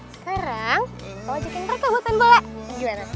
sekarang lo ajakin mereka buat main bola gimana